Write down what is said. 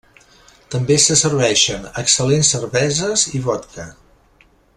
També se serveixen excel·lents cerveses i vodka.